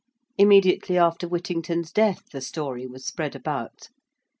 Immediately after Whittington's death the story was spread about.